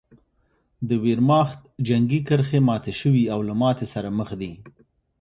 د ویرماخت جنګي کرښې ماتې شوې او له ماتې سره مخ دي